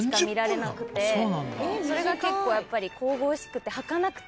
それが結構やっぱり神々しくてはかなくて。